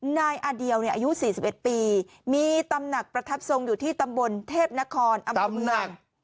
นายอเดียวเนี่ยอายุสี่สิบเอ็ดปีมีตำหนักประทับทรงอยู่ที่ตำบลเทพนครตำหนัก